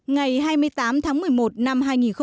ngày hai mươi tám tháng một mươi một năm hai nghìn một mươi tám